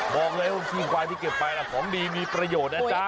บอกเลยว่าขี้ควายที่เก็บไปนะที่มีประโยชน์อันนั้น